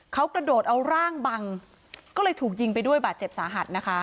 เขากระโดดเอาร่างบังก็เลยถูกยิงไปด้วยบาดเจ็บสาหัสนะคะ